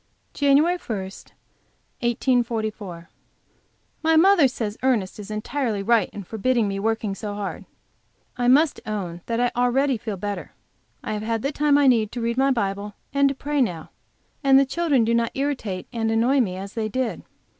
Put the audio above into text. JANUARY 1, 1844. Mother says Ernest is entirely right in forbidding my working so hard. I own that I already feel better. I have all the time I need to read my Bible and to pray now, and the children do not irritate and annoy me as they did.